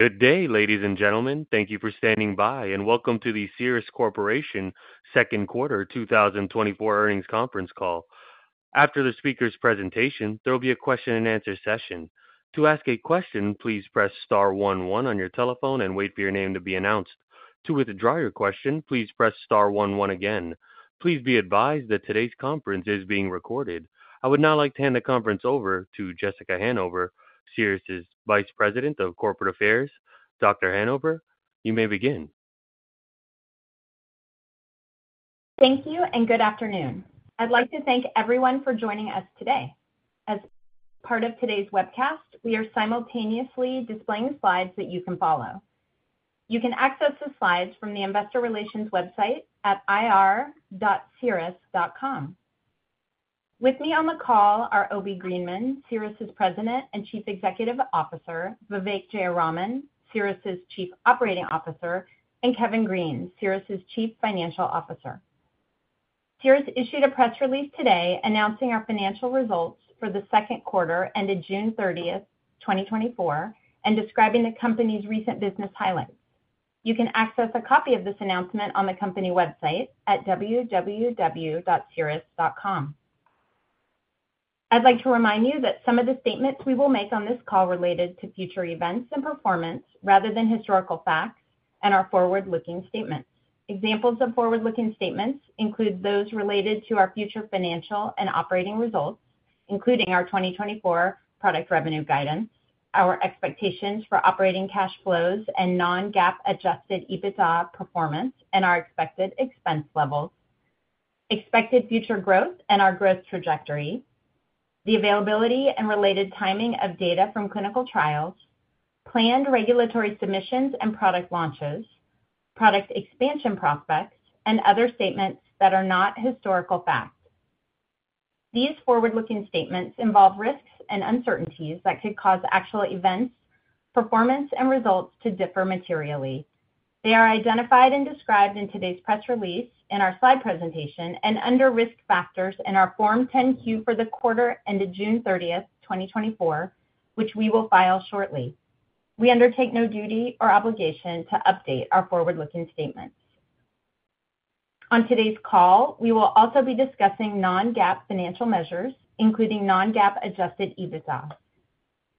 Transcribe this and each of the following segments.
Good day, ladies and gentlemen. Thank you for standing by, and welcome to the Cerus Corporation Q2 2024 Earnings Conference Call. After the speaker's presentation, there will be a question-and-answer session. To ask a question, please press star 11 on your telephone and wait for your name to be announced. To withdraw your question, please press star 11 again. Please be advised that today's conference is being recorded. I would now like to hand the conference over to Jessica Hanover, Cerus' Vice President of Corporate Affairs. Dr. Hanover, you may begin. Thank you, and good afternoon. I'd like to thank everyone for joining us today. As part of today's webcast, we are simultaneously displaying slides that you can follow. You can access the slides from the Investor Relations website at ir.cerus.com. With me on the call are Obi Greenman, Cerus' President and Chief Executive Officer; Vivek Jayaraman, Cerus' Chief Operating Officer; and Kevin Green, Cerus' Chief Financial Officer. Cerus issued a press release today announcing our financial results for Q2 ended June 30, 2024, and describing the company's recent business highlights. You can access a copy of this announcement on the company website at www.cerus.com. I'd like to remind you that some of the statements we will make on this call are related to future events and performance rather than historical facts and are forward-looking statements. Examples of forward-looking statements include those related to our future financial and operating results, including our 2024 product revenue guidance, our expectations for operating cash flows and non-GAAP adjusted EBITDA performance, and our expected expense levels, expected future growth and our growth trajectory, the availability and related timing of data from clinical trials, planned regulatory submissions and product launches, product expansion prospects, and other statements that are not historical facts. These forward-looking statements involve risks and uncertainties that could cause actual events, performance, and results to differ materially. They are identified and described in today's press release and our slide presentation and under risk factors in our Form 10-Q for the quarter ended June 30, 2024, which we will file shortly. We undertake no duty or obligation to update our forward-looking statements. On today's call, we will also be discussing non-GAAP financial measures, including non-GAAP Adjusted EBITDA.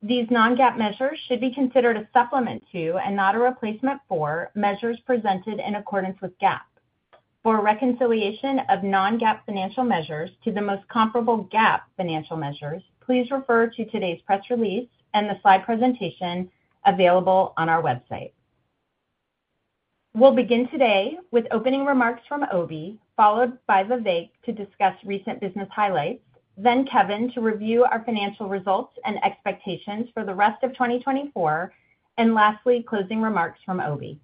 These non-GAAP measures should be considered a supplement to and not a replacement for measures presented in accordance with GAAP. For reconciliation of non-GAAP financial measures to the most comparable GAAP financial measures, please refer to today's press release and the slide presentation available on our website. We'll begin today with opening remarks from Obi, followed by Vivek to discuss recent business highlights, then Kevin to review our financial results and expectations for the rest of 2024, and lastly, closing remarks from Obi.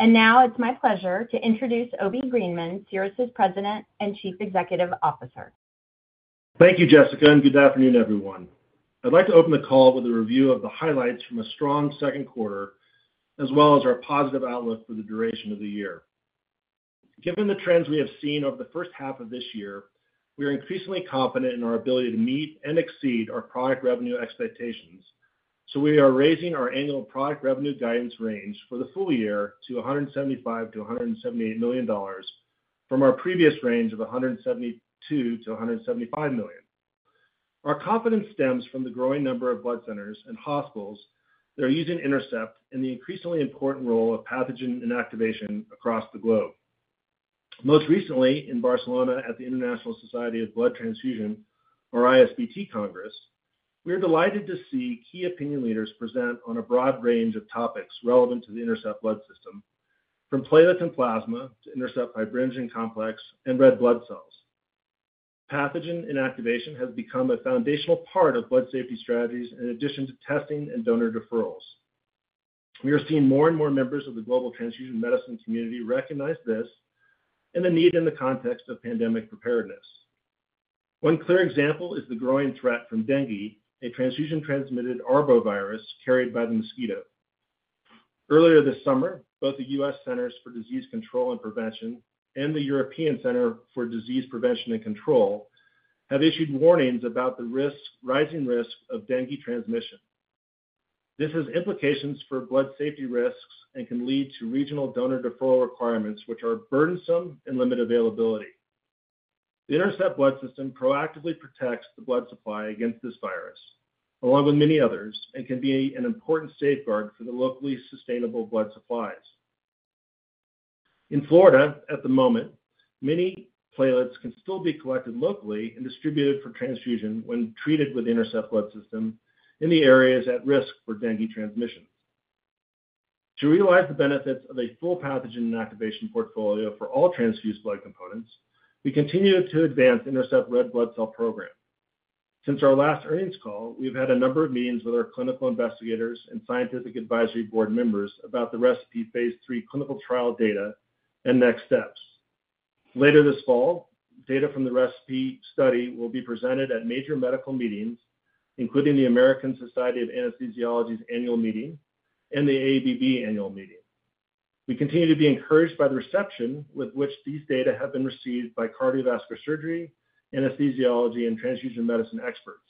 Now it's my pleasure to introduce Obi Greenman, Cerus' President and Chief Executive Officer. Thank you, Jessica, and good afternoon, everyone. I'd like to open the call with a review of the highlights from a strong Q2, as well as our positive outlook for the duration of the year. Given the trends we have seen over H1 of this year, we are increasingly confident in our ability to meet and exceed our product revenue expectations. So we are raising our annual product revenue guidance range for the full year to $175 million-$178 million from our previous range of $172 million-$175 million. Our confidence stems from the growing number of blood centers and hospitals that are using INTERCEPT and the increasingly important role of pathogen inactivation across the globe. Most recently, in Barcelona at the International Society of Blood Transfusion, or ISBT Congress, we are delighted to see key opinion leaders present on a broad range of topics relevant to the INTERCEPT Blood System, from platelets and plasma to INTERCEPT Fibrinogen Complex and red blood cells. Pathogen inactivation has become a foundational part of blood safety strategies in addition to testing and donor deferrals. We are seeing more and more members of the global transfusion medicine community recognize this and the need in the context of pandemic preparedness. One clear example is the growing threat from dengue, a transfusion-transmitted arbovirus carried by the mosquito. Earlier this summer, both the U.S. Centers for Disease Control and Prevention and the European Centre for Disease Prevention and Control have issued warnings about the risks, rising risk of dengue transmission. This has implications for blood safety risks and can lead to regional donor deferral requirements, which are burdensome and limit availability. The INTERCEPT Blood System proactively protects the blood supply against this virus, along with many others, and can be an important safeguard for the locally sustainable blood supplies. In Florida, at the moment, many platelets can still be collected locally and distributed for transfusion when treated with the INTERCEPT Blood System in the areas at risk for dengue transmission. To realize the benefits of a full pathogen inactivation portfolio for all transfused blood components, we continue to advance the INTERCEPT Red Blood Cell program. Since our last earnings call, we've had a number of meetings with our clinical investigators and scientific advisory board members about the ReCePI phase III clinical trial data and next steps. Later this fall, data from the ReCePI study will be presented at major medical meetings, including the American Society of Anesthesiologists' annual meeting and the AABB annual meeting. We continue to be encouraged by the reception with which these data have been received by cardiovascular surgery, anesthesiology, and transfusion medicine experts.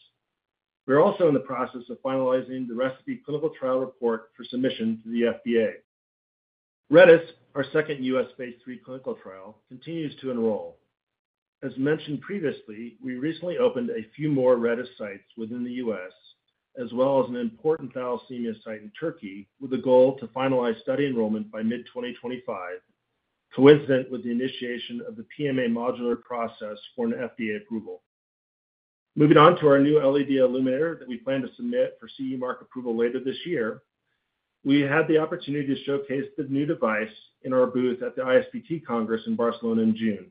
We're also in the process of finalizing the ReCePI clinical trial report for submission to the FDA. RedeS, our second U.S. phase III clinical trial, continues to enroll. As mentioned previously, we recently opened a few more RedeS sites within the U.S., as well as an important thalassemia site in Turkey, with the goal to finalize study enrollment by mid-2025, coincident with the initiation of the PMA modular process for an FDA approval. Moving on to our new LED illuminator that we plan to submit for CE mark approval later this year, we had the opportunity to showcase the new device in our booth at the ISBT Congress in Barcelona in June.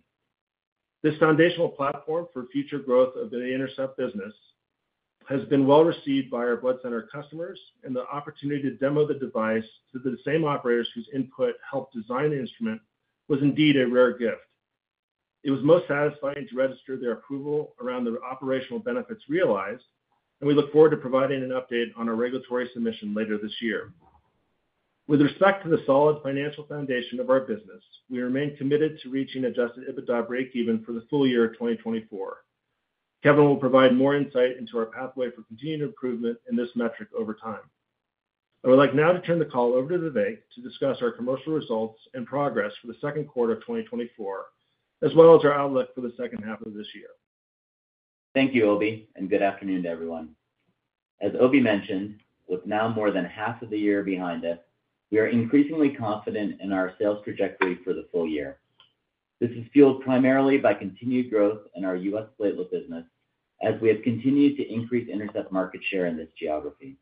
This foundational platform for future growth of the INTERCEPT business has been well received by our blood center customers, and the opportunity to demo the device to the same operators whose input helped design the instrument was indeed a rare gift. It was most satisfying to register their approval around the operational benefits realized, and we look forward to providing an update on our regulatory submission later this year. With respect to the solid financial foundation of our business, we remain committed to reaching Adjusted EBITDA break-even for the full year of 2024. Kevin will provide more insight into our pathway for continued improvement in this metric over time. I would like now to turn the call over to Vivek to discuss our commercial results and progress for Q2 2024, as well as our outlook for the H2 of this year. Thank you, Obi, and good afternoon to everyone. As Obi mentioned, with now more than half of the year behind us, we are increasingly confident in our sales trajectory for the full year. This is fueled primarily by continued growth in our U.S. platelet business, as we have continued to increase INTERCEPT market share in this geography.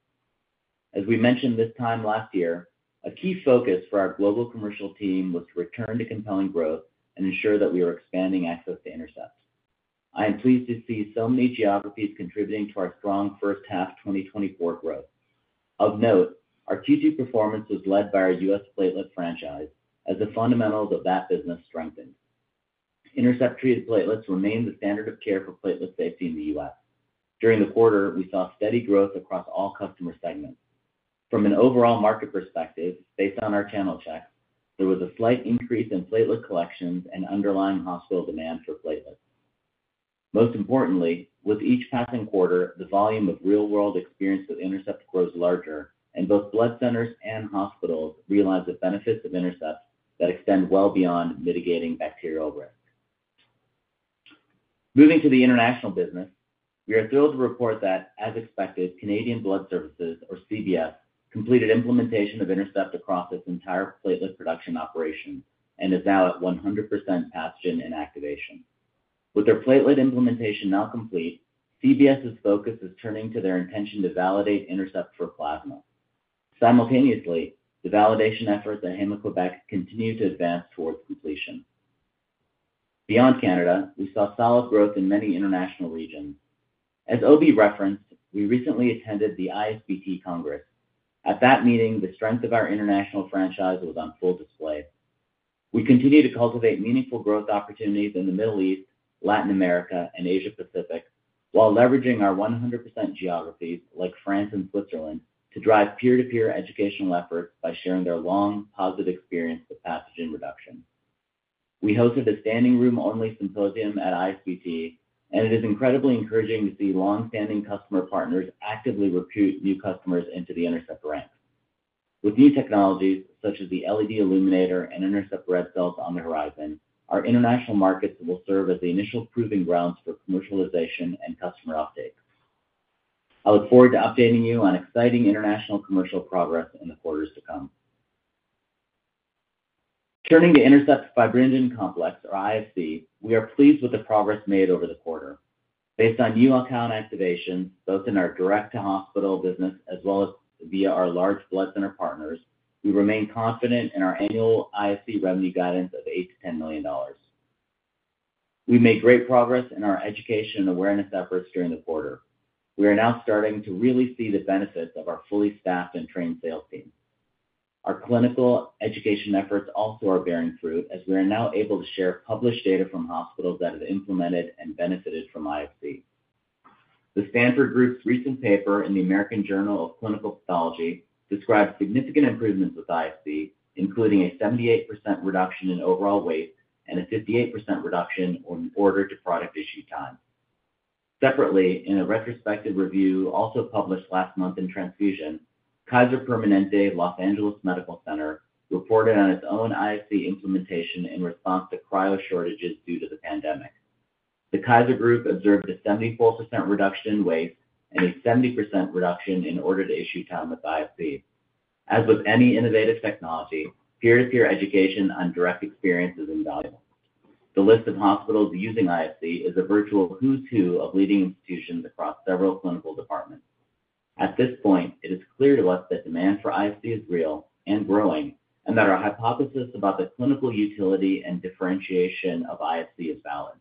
As we mentioned this time last year, a key focus for our global commercial team was to return to compelling growth and ensure that we are expanding access to INTERCEPT. I am pleased to see so many geographies contributing to our strong H1 2024 growth. Of note, our Q2 performance was led by our U.S. platelet franchise, as the fundamentals of that business strengthened. INTERCEPT-treated platelets remain the standard of care for platelet safety in the U.S. During the quarter, we saw steady growth across all customer segments. From an overall market perspective, based on our channel checks, there was a slight increase in platelet collections and underlying hospital demand for platelets. Most importantly, with each passing quarter, the volume of real-world experience with INTERCEPT grows larger, and both blood centers and hospitals realize the benefits of INTERCEPT that extend well beyond mitigating bacterial risk. Moving to the international business, we are thrilled to report that, as expected, Canadian Blood Services, or CBS, completed implementation of INTERCEPT across its entire platelet production operation and is now at 100% pathogen inactivation. With their platelet implementation now complete, CBS's focus is turning to their intention to validate INTERCEPT for plasma. Simultaneously, the validation efforts at Héma-Québec continue to advance towards completion. Beyond Canada, we saw solid growth in many international regions. As Obi referenced, we recently attended the ISBT Congress. At that meeting, the strength of our international franchise was on full display. We continue to cultivate meaningful growth opportunities in the Middle East, Latin America, and Asia-Pacific, while leveraging our 100% geographies like France and Switzerland to drive peer-to-peer educational efforts by sharing their long, positive experience with pathogen reduction. We hosted a standing room-only symposium at ISBT, and it is incredibly encouraging to see longstanding customer partners actively recruit new customers into the INTERCEPT ranks. With new technologies such as the LED illuminator and INTERCEPT red cells on the horizon, our international markets will serve as the initial proving grounds for commercialization and customer uptake. I look forward to updating you on exciting international commercial progress in the quarters to come. Turning to INTERCEPT Fibrinogen Complex, or IFC, we are pleased with the progress made over the quarter. Based on new account activations, both in our direct-to-hospital business as well as via our large blood center partners, we remain confident in our annual IFC revenue guidance of $8 million -$10 million. We made great progress in our education and awareness efforts during the quarter. We are now starting to really see the benefits of our fully staffed and trained sales team. Our clinical education efforts also are bearing fruit as we are now able to share published data from hospitals that have implemented and benefited from IFC. The Stanford Group's recent paper in the American Journal of Clinical Pathology describes significant improvements with IFC, including a 78% reduction in overall waste and a 58% reduction on order-to-product issue time. Separately, in a retrospective review also published last month in Transfusion, Kaiser Permanente Los Angeles Medical Center reported on its own IFC implementation in response to cryo shortages due to the pandemic. The Kaiser Group observed a 74% reduction in waste and a 70% reduction in order-to-issue time with IFC. As with any innovative technology, peer-to-peer education on direct experience is invaluable. The list of hospitals using IFC is a virtual who's who of leading institutions across several clinical departments. At this point, it is clear to us that demand for IFC is real and growing, and that our hypothesis about the clinical utility and differentiation of IFC is valid.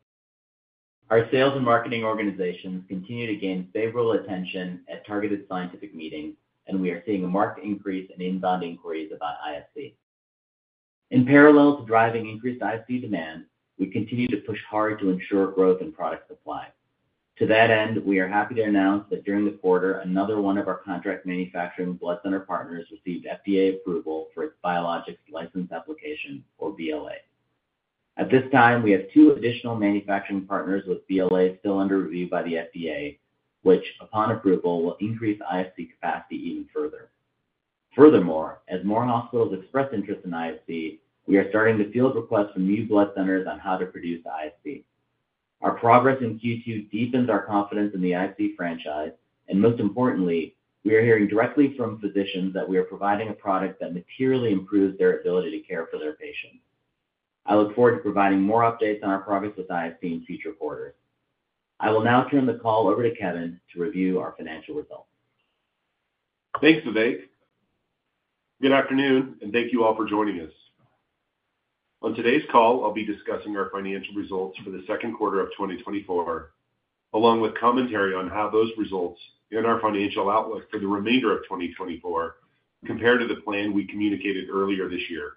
Our sales and marketing organizations continue to gain favorable attention at targeted scientific meetings, and we are seeing a marked increase in inbound inquiries about IFC. In parallel to driving increased IFC demand, we continue to push hard to ensure growth in product supply. To that end, we are happy to announce that during the quarter, another one of our contract manufacturing blood center partners received FDA approval for its Biologics License Application, or BLA. At this time, we have two additional manufacturing partners with BLA still under review by the FDA, which, upon approval, will increase IFC capacity even further. Furthermore, as more hospitals express interest in IFC, we are starting to field requests from new blood centers on how to produce IFC. Our progress in Q2 deepens our confidence in the IFC franchise, and most importantly, we are hearing directly from physicians that we are providing a product that materially improves their ability to care for their patients. I look forward to providing more updates on our progress with IFC in future quarters. I will now turn the call over to Kevin to review our financial results. Thanks, Vivek. Good afternoon, and thank you all for joining us. On today's call, I'll be discussing our financial results for Q2 2024 along with commentary on how those results and our financial outlook for the remainder of 2024 compare to the plan we communicated earlier this year.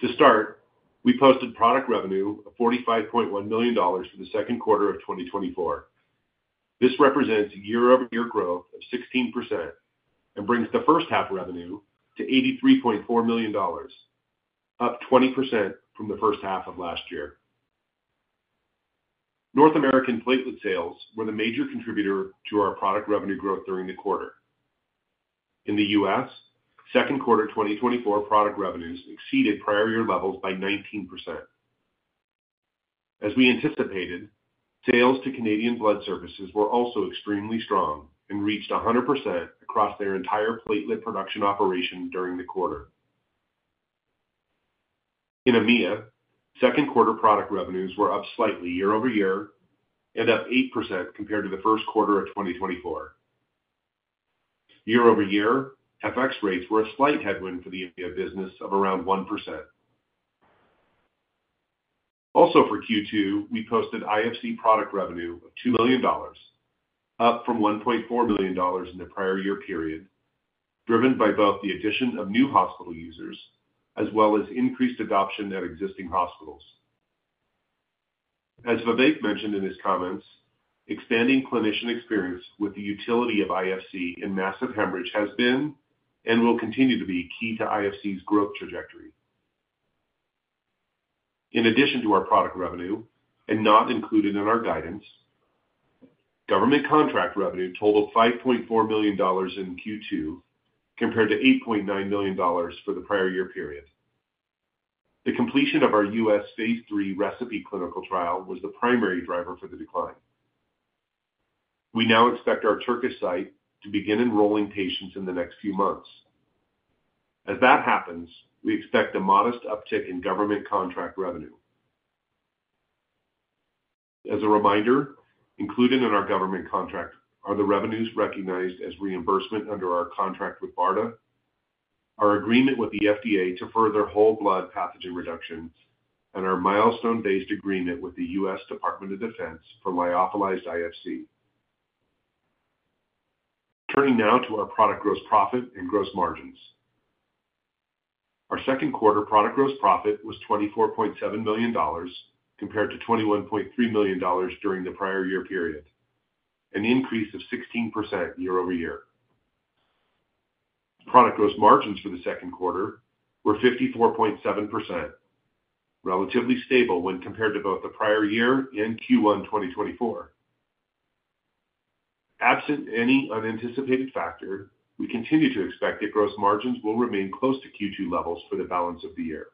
To start, we posted product revenue of $45.1 million for Q2 2024. This represents year-over-year growth of 16% and brings H1 revenue to $83.4 million, up 20% from H1 of last year. North American platelet sales were the major contributor to our product revenue growth during the quarter. In the U.S., Q2 2024 product revenues exceeded prior-year levels by 19%. As we anticipated, sales to Canadian Blood Services were also extremely strong and reached 100% across their entire platelet production operation during the quarter. In EMEA, Q2 product revenues were up slightly year-over-year and up 8% compared to Q1 2024. Year-over-year, FX rates were a slight headwind for the EMEA business of around 1%. Also for Q2, we posted IFC product revenue of $2 million, up from $1.4 million in the prior-year period, driven by both the addition of new hospital users as well as increased adoption at existing hospitals. As Vivek mentioned in his comments, expanding clinician experience with the utility of IFC in massive hemorrhage has been and will continue to be key to IFC's growth trajectory. In addition to our product revenue, and not included in our guidance, government contract revenue totaled $5.4 million in Q2 compared to $8.9 million for the prior-year period. The completion of our U.S. phase III ReCePI clinical trial was the primary driver for the decline. We now expect our Turkish site to begin enrolling patients in the next few months. As that happens, we expect a modest uptick in government contract revenue. As a reminder, included in our government contract are the revenues recognized as reimbursement under our contract with BARDA, our agreement with the FDA to further whole blood pathogen reductions, and our milestone-based agreement with the U.S. Department of Defense for lyophilized IFC. Turning now to our product gross profit and gross margins. Our Q2 product gross profit was $24.7 million compared to $21.3 million during the prior-year period, an increase of 16% year-over-year. Product gross margins for Q2 were 54.7%, relatively stable when compared to both the prior year and Q1 2024. Absent any unanticipated factor, we continue to expect that gross margins will remain close to Q2 levels for the balance of the year.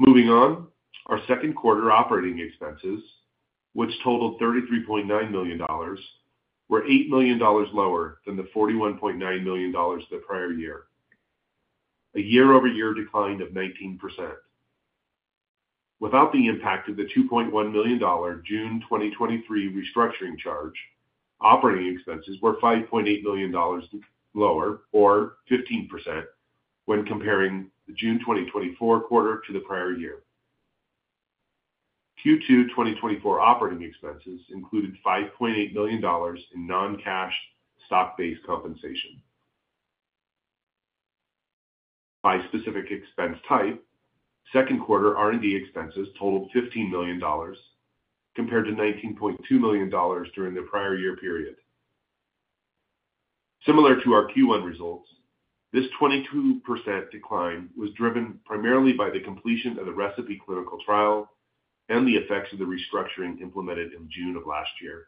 Moving on, our Q2 operating expenses, which totaled $33.9 million, were $8 million lower than the $41.9 million the prior year, a year-over-year decline of 19%. Without the impact of the $2.1 million June 2023 restructuring charge, operating expenses were $5.8 million lower, or 15%, when comparing the June 2024 quarter to the prior year. Q2 2024 operating expenses included $5.8 million in non-cash stock-based compensation. By specific expense type, Q2 R&D expenses totaled $15 million compared to $19.2 million during the prior-year period. Similar to our Q1 results, this 22% decline was driven primarily by the completion of the ReCePI clinical trial and the effects of the restructuring implemented in June of last year.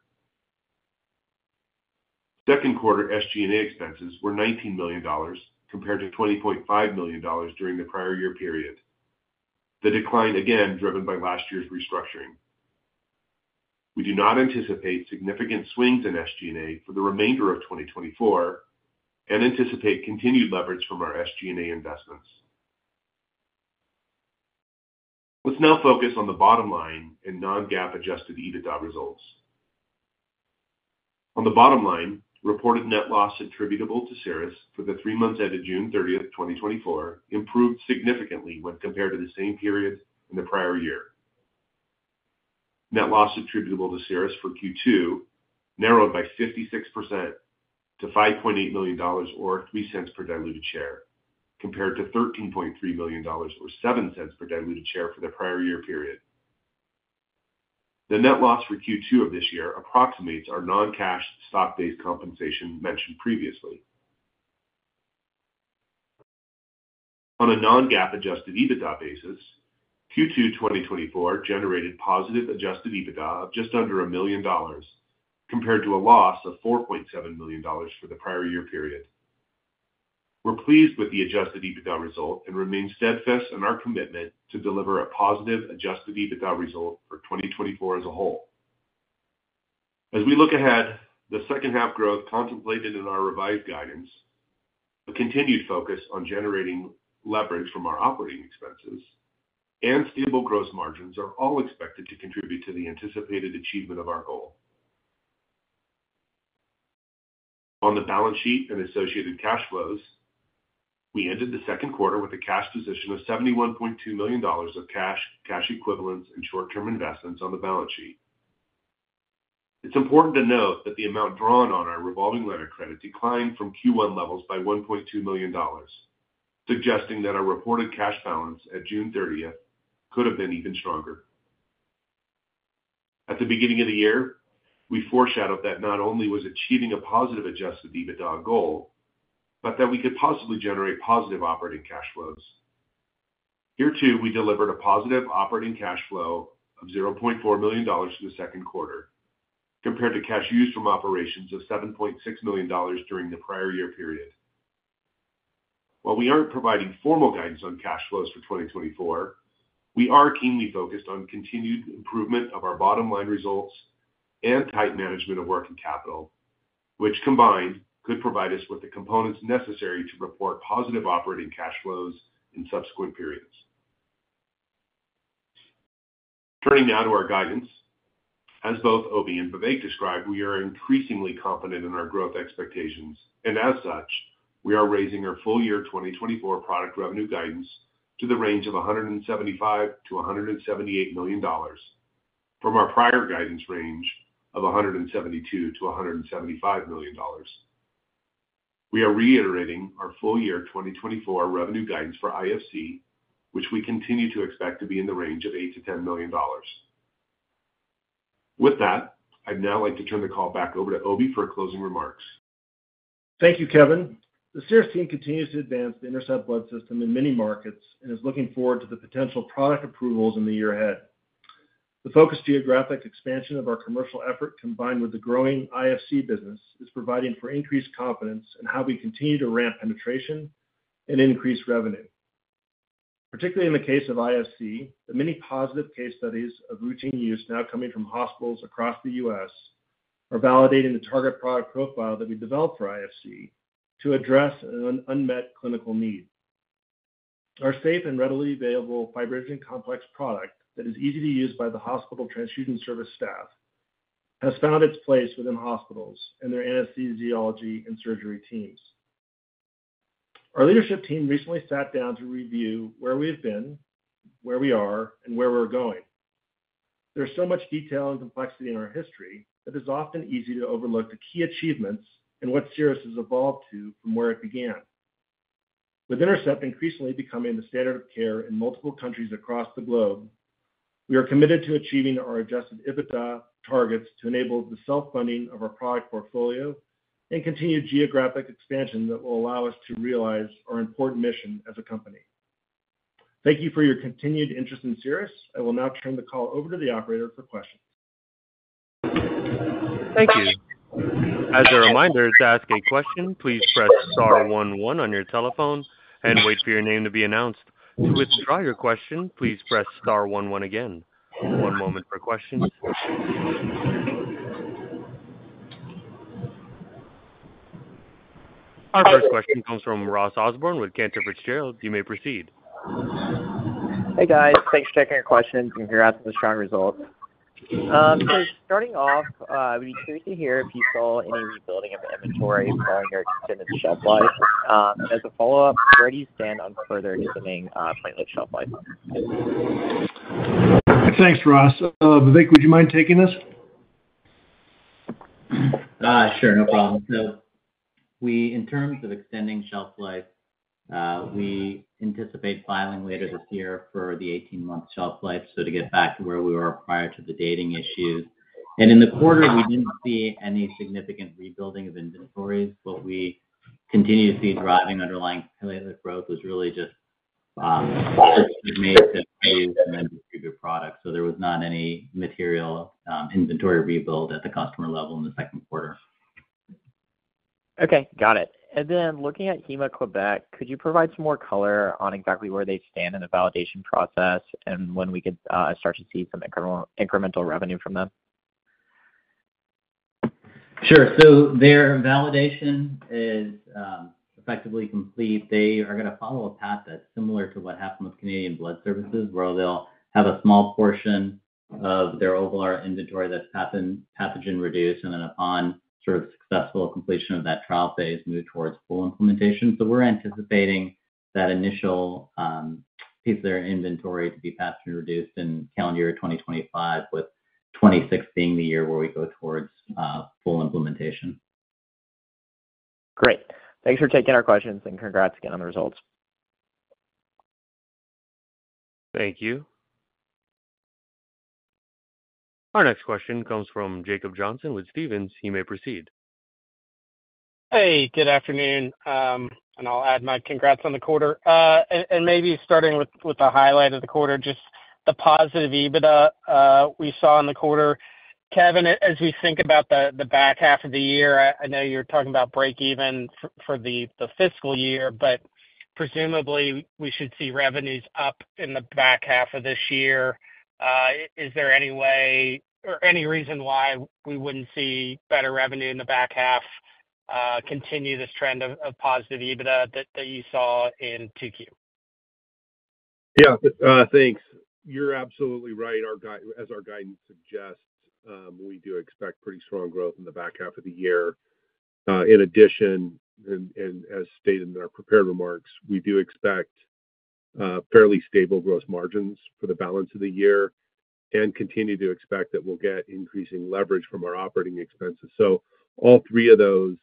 Q2 SG&A expenses were $19 million compared to $20.5 million during the prior-year period, the decline again driven by last year's restructuring. We do not anticipate significant swings in SG&A for the remainder of 2024 and anticipate continued leverage from our SG&A investments. Let's now focus on the bottom line and non-GAAP-adjusted EBITDA results. On the bottom line, reported net loss attributable to Cerus for the three months ended June 30, 2024, improved significantly when compared to the same period in the prior year. Net loss attributable to Cerus for Q2 narrowed by 56% to $5.8 million, or $0.03 per diluted share, compared to $13.3 million, or $0.07 per diluted share for the prior-year period. The net loss for Q2 of this year approximates our non-cash stock-based compensation mentioned previously. On a non-GAAP-adjusted EBITDA basis, Q2 2024 generated positive adjusted EBITDA of just under $1 million compared to a loss of $4.7 million for the prior-year period. We're pleased with the adjusted EBITDA result and remain steadfast in our commitment to deliver a positive adjusted EBITDA result for 2024 as a whole. As we look ahead, H2 growth contemplated in our revised guidance, a continued focus on generating leverage from our operating expenses, and stable gross margins are all expected to contribute to the anticipated achievement of our goal. On the balance sheet and associated cash flows, we ended the Q2 with a cash position of $71.2 million of cash, cash equivalents, and short-term investments on the balance sheet. It's important to note that the amount drawn on our revolving lender credit declined from Q1 levels by $1.2 million, suggesting that our reported cash balance at June 30 could have been even stronger. At the beginning of the year, we foreshadowed that not only was achieving a positive Adjusted EBITDA goal, but that we could possibly generate positive operating cash flows. Here too, we delivered a positive operating cash flow of $0.4 million for Q2 compared to cash used from operations of $7.6 million during the prior-year period. While we aren't providing formal guidance on cash flows for 2024, we are keenly focused on continued improvement of our bottom line results and tight management of working capital, which combined could provide us with the components necessary to report positive operating cash flows in subsequent periods. Turning now to our guidance, as both Obi and Vivek described, we are increasingly confident in our growth expectations, and as such, we are raising our full-year 2024 product revenue guidance to the range of $175 million-$178 million from our prior guidance range of $172 million-$175 million. We are reiterating our full-year 2024 revenue guidance for IFC, which we continue to expect to be in the range of $8 million-$10 million. With that, I'd now like to turn the call back over to Obi for closing remarks. Thank you, Kevin. The Cerus team continues to advance the INTERCEPT Blood System in many markets and is looking forward to the potential product approvals in the year ahead. The focused geographic expansion of our commercial effort, combined with the growing IFC business, is providing for increased confidence in how we continue to ramp penetration and increase revenue. Particularly in the case of IFC, the many positive case studies of routine use now coming from hospitals across the U.S. are validating the target product profile that we developed for IFC to address an unmet clinical need. Our safe and readily available fibrinogen complex product that is easy to use by the hospital transfusion service staff has found its place within hospitals and their anesthesiology and surgery teams. Our leadership team recently sat down to review where we have been, where we are, and where we're going. There's so much detail and complexity in our history that it's often easy to overlook the key achievements and what Cerus has evolved to from where it began. With INTERCEPT increasingly becoming the standard of care in multiple countries across the globe, we are committed to achieving our Adjusted EBITDA targets to enable the self-funding of our product portfolio and continued geographic expansion that will allow us to realize our important mission as a company. Thank you for your continued interest in Cerus. I will now turn the call over to the operator for questions. Thank you. As a reminder, to ask a question, please press star 11 on your telephone and wait for your name to be announced. To withdraw your question, please press star 11 again. One moment for questions. Our first question comes from Ross Osborn with Cantor Fitzgerald. You may proceed. Hey, guys. Thanks for taking our questions. Congrats on the strong results. Starting off, I would be curious to hear if you saw any rebuilding of inventory following your extended shelf life. As a follow-up, where do you stand on further extending platelet shelf life? Thanks, Ross. Vivek, would you mind taking this? Sure. No problem. So in terms of extending shelf life, we anticipate filing later this year for the 18-month shelf life so to get back to where we were prior to the dating issues. And in the quarter, we didn't see any significant rebuilding of inventories, but we continue to see driving underlying platelet growth was really just made to produce and then distribute product. So there was not any material inventory rebuild at the customer level in Q2. Okay. Got it. And then looking at Héma-Québec, could you provide some more color on exactly where they stand in the validation process and when we could start to see some incremental revenue from them? Sure. So their validation is effectively complete. They are going to follow a path that's similar to what happened with Canadian Blood Services, where they'll have a small portion of their overall inventory that's pathogen-reduced, and then upon sort of successful completion of that trial phase, move towards full implementation. So we're anticipating that initial piece of their inventory to be pathogen-reduced in calendar year 2025, with 2026 being the year where we go towards full implementation. Great. Thanks for taking our questions, and congrats again on the results. Thank you. Our next question comes from Jacob Johnson with Stephens. You may proceed. Hey, good afternoon. I'll add my congrats on the quarter. Maybe starting with the highlight of the quarter, just the positive EBITDA we saw in the quarter. Kevin, as we think about the back half of the year, I know you're talking about break-even for the fiscal year, but presumably we should see revenues up in the back half of this year. Is there any way or any reason why we wouldn't see better revenue in the back half continue this trend of positive EBITDA that you saw in 2Q? Yeah. Thanks. You're absolutely right. As our guidance suggests, we do expect pretty strong growth in the back half of the year. In addition, and as stated in our prepared remarks, we do expect fairly stable gross margins for the balance of the year and continue to expect that we'll get increasing leverage from our operating expenses. So all three of those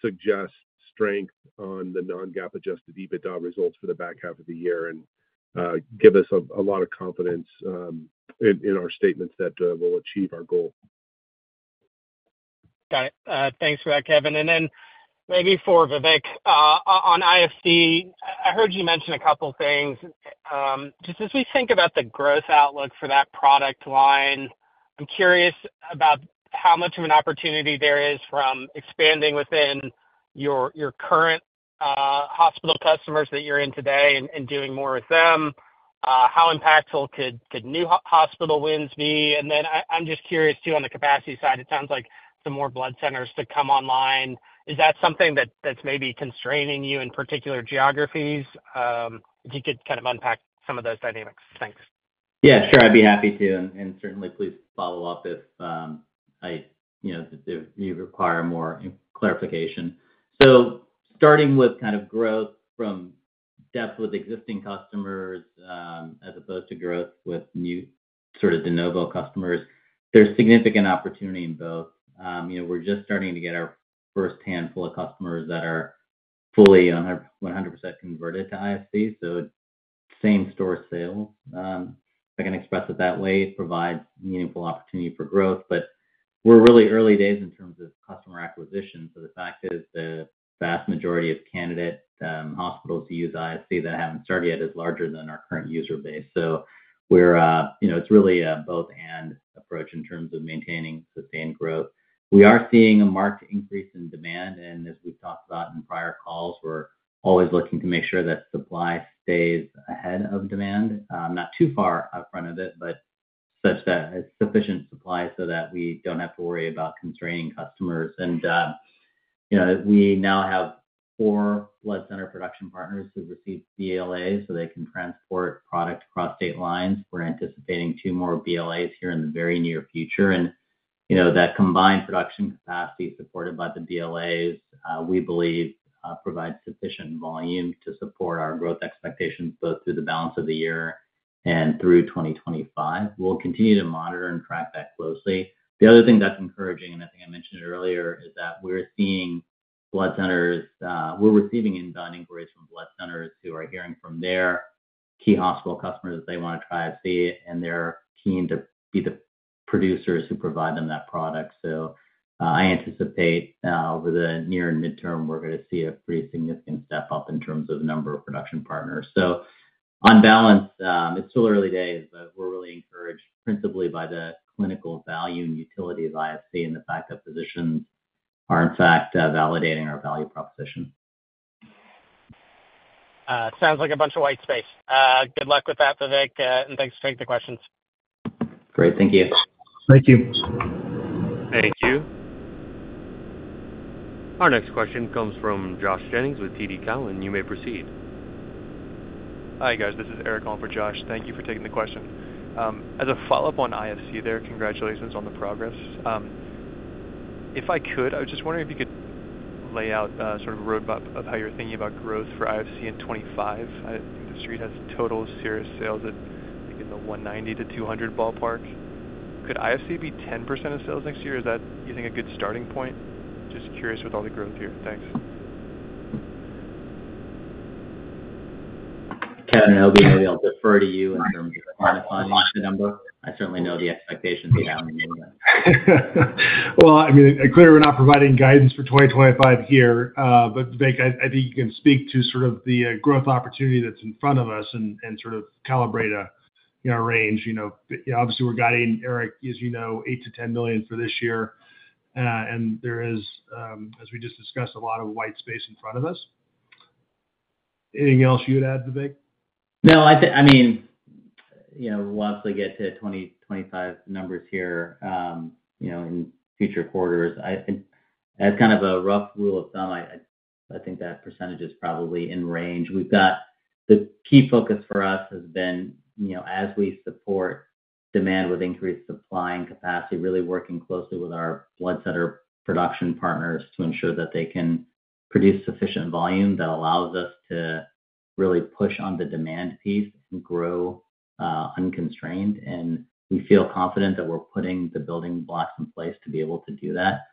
suggest strength on the non-GAAP-adjusted EBITDA results for the back half of the year and give us a lot of confidence in our statements that we'll achieve our goal. Got it. Thanks for that, Kevin. And then maybe for Vivek on IFC, I heard you mention a couple of things. Just as we think about the growth outlook for that product line, I'm curious about how much of an opportunity there is from expanding within your current hospital customers that you're in today and doing more with them. How impactful could new hospital wins be? And then I'm just curious too, on the capacity side, it sounds like some more blood centers to come online. Is that something that's maybe constraining you in particular geographies? If you could kind of unpack some of those dynamics. Thanks. Yeah, sure. I'd be happy to. Certainly, please follow up if you require more clarification. Starting with kind of growth from depth with existing customers as opposed to growth with new sort of de novo customers, there's significant opportunity in both. We're just starting to get our first handful of customers that are fully 100% converted to IFC. Same-store sales, if I can express it that way, provides meaningful opportunity for growth. But we're really early days in terms of customer acquisition. The fact is the vast majority of candidate hospitals to use IFC that haven't started yet is larger than our current user base. It's really a both-and approach in terms of maintaining sustained growth. We are seeing a marked increase in demand. As we've talked about in prior calls, we're always looking to make sure that supply stays ahead of demand, not too far out front of it, but such that it's sufficient supply so that we don't have to worry about constraining customers. We now have 4 blood center production partners who've received BLAs so they can transport product across state lines. We're anticipating 2 more BLAs here in the very near future. That combined production capacity supported by the BLAs, we believe, provides sufficient volume to support our growth expectations both through the balance of the year and through 2025. We'll continue to monitor and track that closely. The other thing that's encouraging, and I think I mentioned it earlier, is that we're seeing blood centers, we're receiving inbound inquiries from blood centers who are hearing from their key hospital customers that they want to try to see, and they're keen to be the producers who provide them that product. So I anticipate over the near and midterm, we're going to see a pretty significant step up in terms of number of production partners. So on balance, it's still early days, but we're really encouraged principally by the clinical value and utility of IFC and the fact that physicians are in fact validating our value proposition. Sounds like a bunch of white space. Good luck with that, Vivek, and thanks for taking the questions. Great. Thank you. Thank you. Thank you. Our next question comes from Josh Jennings with TD Cowen, and you may proceed. Hi, guys. This is Eric calling for Josh. Thank you for taking the question. As a follow-up on IFC there, congratulations on the progress. If I could, I was just wondering if you could lay out sort of a roadmap of how you're thinking about growth for IFC in 2025. I think the street has total Cerus sales at, I think, in the $190 million-$200 million ballpark. Could IFC be 10% of sales next year? Is that, do you think, a good starting point? Just curious with all the growth here. Thanks. Kevin and Obi, maybe I'll defer to you in terms of quantifying the number. I certainly know the expectations down in the end. Well, I mean, clearly we're not providing guidance for 2025 here. But Vivek, I think you can speak to sort of the growth opportunity that's in front of us and sort of calibrate our range. Obviously, we're guiding, Eric, as you know, $8 million-$10 million for this year. And there is, as we just discussed, a lot of white space in front of us. Anything else you would add, Vivek? No, I mean, once we get to 2025 numbers here in future quarters, as kind of a rough rule of thumb, I think that percentage is probably in range. The key focus for us has been, as we support demand with increased supply and capacity, really working closely with our blood center production partners to ensure that they can produce sufficient volume that allows us to really push on the demand piece and grow unconstrained. We feel confident that we're putting the building blocks in place to be able to do that.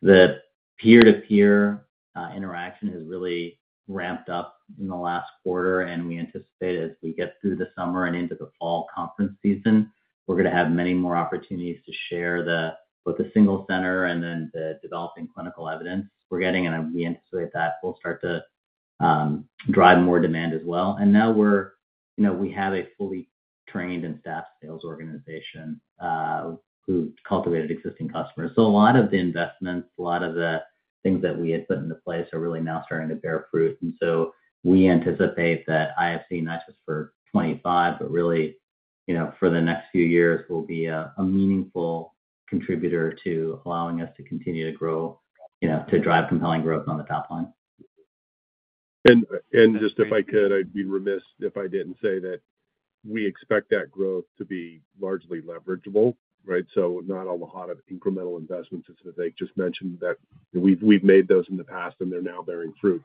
The peer-to-peer interaction has really ramped up in the last quarter, and we anticipate as we get through the summer and into the fall conference season, we're going to have many more opportunities to share both the single center and then the developing clinical evidence we're getting. We anticipate that will start to drive more demand as well. Now we have a fully trained and staffed sales organization who cultivated existing customers. A lot of the investments, a lot of the things that we had put into place are really now starting to bear fruit. We anticipate that IFC, not just for 2025, but really for the next few years, will be a meaningful contributor to allowing us to continue to grow, to drive compelling growth on the top line. And just if I could, I'd be remiss if I didn't say that we expect that growth to be largely leverageable, right? So not all the cost of incremental investments, as Vivek just mentioned, that we've made those in the past, and they're now bearing fruit.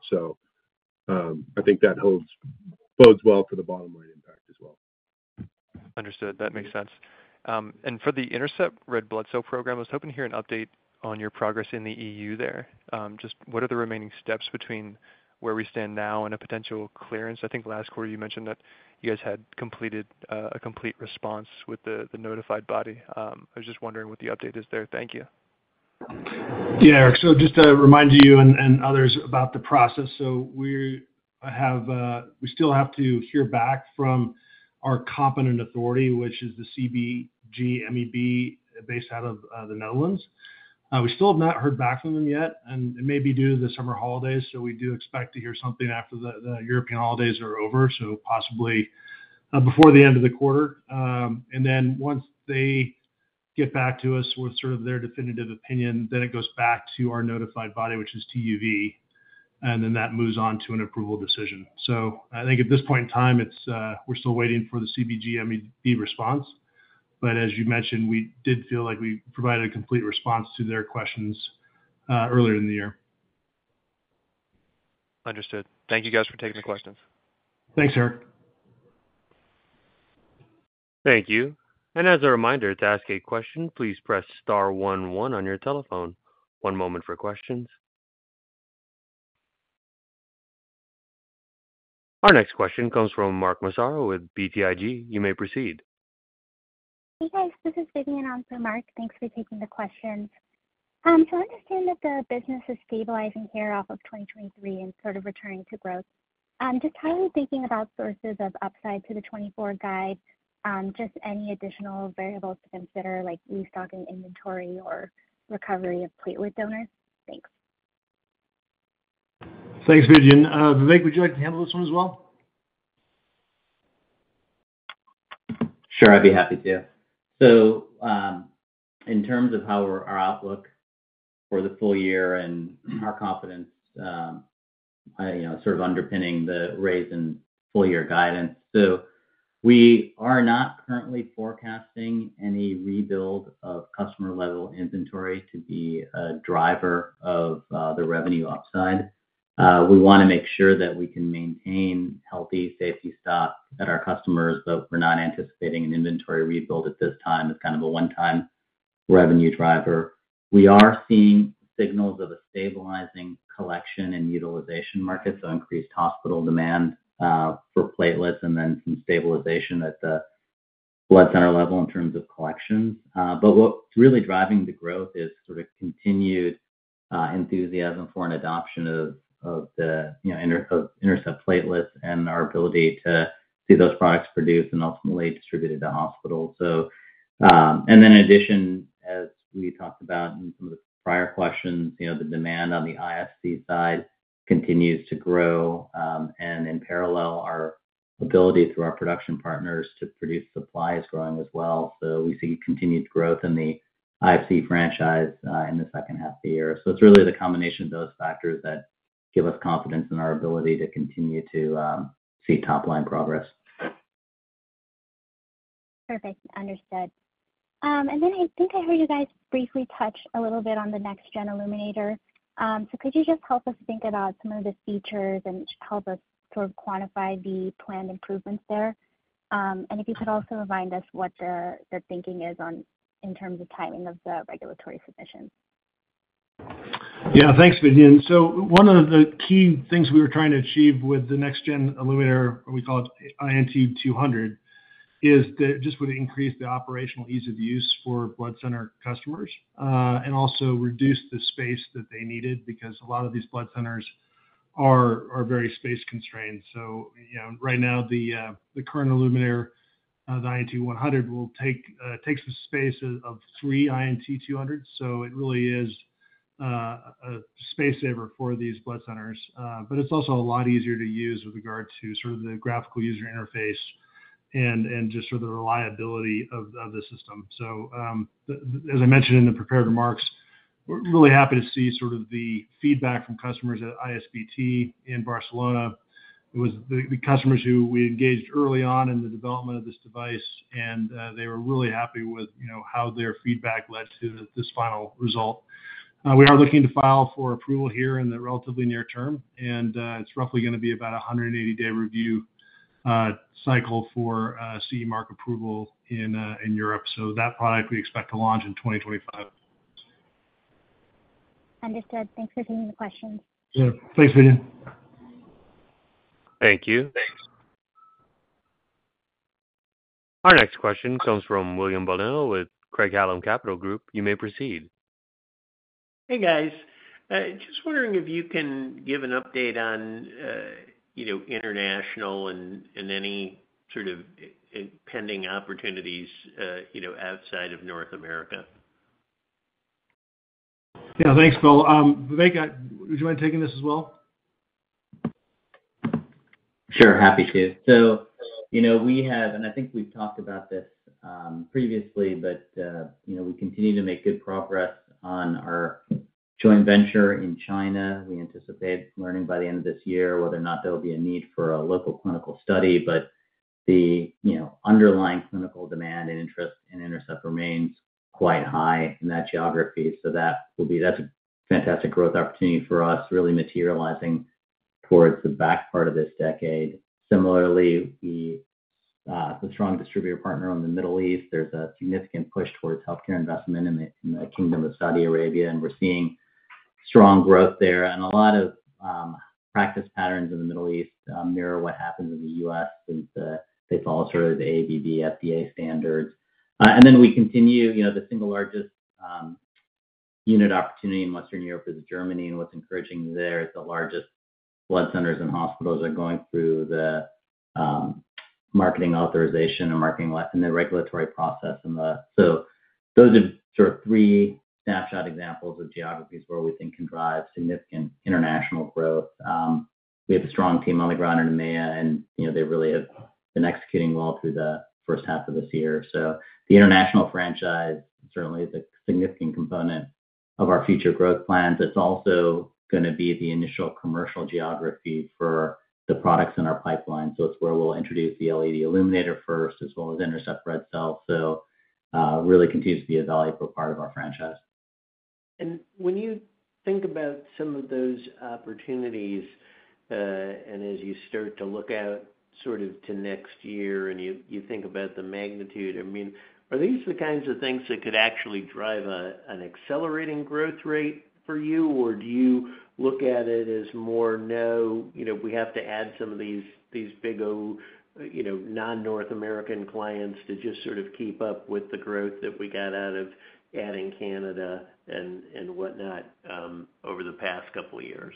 So I think that bodes well for the bottom line impact as well. Understood. That makes sense. And for the INTERCEPT Red Blood Cell program, I was hoping to hear an update on your progress in the EU there. Just what are the remaining steps between where we stand now and a potential clearance? I think last quarter you mentioned that you guys had completed a complete response with the notified body. I was just wondering what the update is there. Thank you. Yeah, Eric. So just to remind you and others about the process. We still have to hear back from our competent authority, which is the CBG-MEB based out of the Netherlands. We still have not heard back from them yet. It may be due to the summer holidays. We do expect to hear something after the European holidays are over, so possibly before the end of the quarter. Then once they get back to us with sort of their definitive opinion, it goes back to our notified body, which is TÜV, and then that moves on to an approval decision. So I think at this point in time, we're still waiting for the CBG-MEB response. But as you mentioned, we did feel like we provided a complete response to their questions earlier in the year. Understood. Thank you, guys, for taking the questions. Thanks, Eric. Thank you. As a reminder to ask a question, please press star 11 on your telephone. One moment for questions. Our next question comes from Mark Massaro with BTIG. You may proceed. Hey, guys. This is Vivian on for Mark. Thanks for taking the questions. So I understand that the business is stabilizing here off of 2023 and sort of returning to growth. Just how are you thinking about sources of upside to the 2024 guide? Just any additional variables to consider, like restocking inventory or recovery of platelet donors? Thanks. Thanks, Vivian. Vivek, would you like to handle this one as well? Sure. I'd be happy to. So in terms of how our outlook for the full year and our confidence sort of underpinning the raise in full-year guidance, so we are not currently forecasting any rebuild of customer-level inventory to be a driver of the revenue upside. We want to make sure that we can maintain healthy safety stock at our customers, but we're not anticipating an inventory rebuild at this time. It's kind of a one-time revenue driver. We are seeing signals of a stabilizing collection and utilization market, so increased hospital demand for platelets and then some stabilization at the blood center level in terms of collections. But what's really driving the growth is sort of continued enthusiasm for an adoption of the INTERCEPT platelets and our ability to see those products produced and ultimately distributed to hospitals. And then in addition, as we talked about in some of the prior questions, the demand on the IFC side continues to grow. And in parallel, our ability through our production partners to produce supply is growing as well. So we see continued growth in the IFC franchise in H2 of the year. So it's really the combination of those factors that give us confidence in our ability to continue to see top-line progress. Perfect. Understood. And then I think I heard you guys briefly touch a little bit on the next-gen illuminator. So could you just help us think about some of the features and help us sort of quantify the planned improvements there? And if you could also remind us what the thinking is in terms of timing of the regulatory submissions. Yeah. Thanks, Vivian. So one of the key things we were trying to achieve with the next-gen illuminator, or we call it INT200, is just would increase the operational ease of use for blood center customers and also reduce the space that they needed because a lot of these blood centers are very space-constrained. So right now, the current illuminator, the INT100, will take some space of 3 INT200s. So it really is a space saver for these blood centers. But it's also a lot easier to use with regard to sort of the graphical user interface and just sort of the reliability of the system. So as I mentioned in the prepared remarks, we're really happy to see sort of the feedback from customers at ISBT in Barcelona. It was the customers who we engaged early on in the development of this device, and they were really happy with how their feedback led to this final result. We are looking to file for approval here in the relatively near term. It's roughly going to be about a 180-day review cycle for CE mark approval in Europe. That product, we expect to launch in 2025. Understood. Thanks for taking the questions. Yeah. Thanks, Vivian. Thank you. Thanks. Our next question comes from William Bonello with Craig-Hallum Capital Group. You may proceed. Hey, guys. Just wondering if you can give an update on international and any sort of pending opportunities outside of North America? Yeah. Thanks, Bill. Vivek, would you mind taking this as well? Sure. Happy to. So we have, and I think we've talked about this previously, but we continue to make good progress on our joint venture in China. We anticipate learning by the end of this year whether or not there will be a need for a local clinical study. But the underlying clinical demand and interest in INTERCEPT remains quite high in that geography. So that's a fantastic growth opportunity for us, really materializing towards the back part of this decade. Similarly, the strong distributor partner in the Middle East, there's a significant push towards healthcare investment in the Kingdom of Saudi Arabia. And we're seeing strong growth there. And a lot of practice patterns in the Middle East mirror what happens in the U.S. since they follow sort of the AABB FDA standards. And then we continue the single largest unit opportunity in Western Europe is Germany. And what's encouraging there is the largest blood centers and hospitals are going through the marketing authorization and the regulatory process. So those are sort of three snapshot examples of geographies where we think can drive significant international growth. We have a strong team on the ground in EMEA, and they really have been executing well through H1 of this year. So the international franchise certainly is a significant component of our future growth plans. It's also going to be the initial commercial geography for the products in our pipeline. So it's where we'll introduce the LED illuminator first, as well as INTERCEPT red cell. So it really continues to be a valuable part of our franchise. And when you think about some of those opportunities, and as you start to look out sort of to next year and you think about the magnitude, I mean, are these the kinds of things that could actually drive an accelerating growth rate for you? Or do you look at it as more, "No, we have to add some of these big old non-North American clients to just sort of keep up with the growth that we got out of adding Canada and whatnot over the past couple of years"?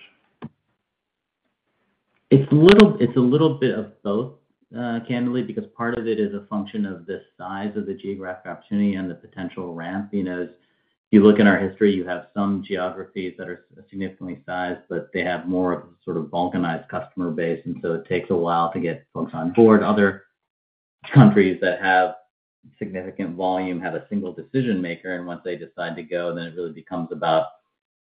It's a little bit of both, candidly, because part of it is a function of the size of the geographic opportunity and the potential ramp. If you look in our history, you have some geographies that are significantly sized, but they have more of a sort of balkanized customer base. And so it takes a while to get folks on board. Other countries that have significant volume have a single decision maker. And once they decide to go, then it really becomes about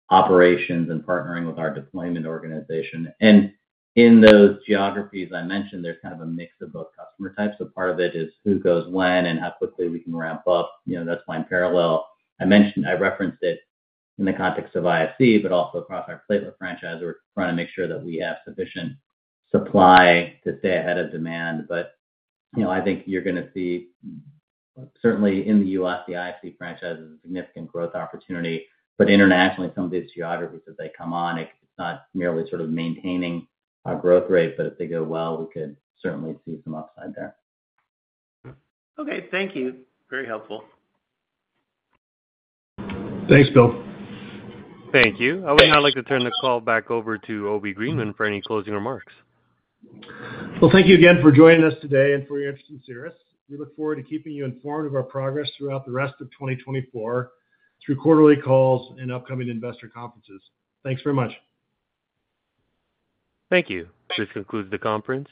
operations and partnering with our deployment organization. And in those geographies I mentioned, there's kind of a mix of both customer types. So part of it is who goes when and how quickly we can ramp up. That's why in parallel, I referenced it in the context of IFC, but also across our platelet franchise. We're trying to make sure that we have sufficient supply to stay ahead of demand. But I think you're going to see, certainly in the U.S., the IFC franchise is a significant growth opportunity. But internationally, some of these geographies, as they come on, it's not merely sort of maintaining our growth rate. But if they go well, we could certainly see some upside there. Okay. Thank you. Very helpful. Thanks, Bill. Thank you. I would now like to turn the call back over to Obi Greenman for any closing remarks. Well, thank you again for joining us today and for your interest in Cerus. We look forward to keeping you informed of our progress throughout the rest of 2024 through quarterly calls and upcoming investor conferences. Thanks very much. Thank you. This concludes the conference.